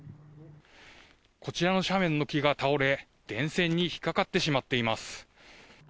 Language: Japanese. こちらの斜面の木が倒れ、電線に引っ掛かってしまっています。